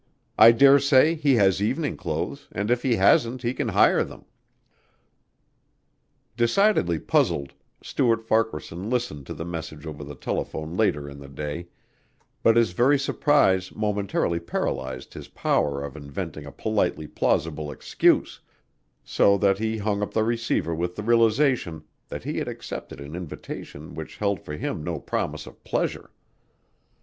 I daresay he has evening clothes and if he hasn't he can hire them." Decidedly puzzled, Stuart Farquaharson listened to the message over the telephone later in the day, but his very surprise momentarily paralyzed his power of inventing a politely plausible excuse, so that he hung up the receiver with the realization that he had accepted an invitation which held for him no promise of pleasure.